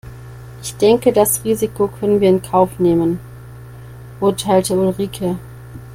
Ich denke das Risiko können wir in Kauf nehmen, urteilte Ulrike.